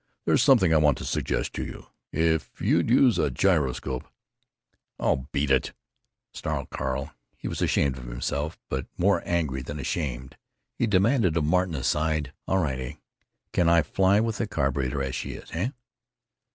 There's something I want to suggest to you. If you'd use a gyroscope——" "Oh, beat it!" snarled Carl. He was ashamed of himself—but more angry than ashamed. He demanded of Martin, aside: "All right, heh? Can I fly with the carburetor as she is? Heh?"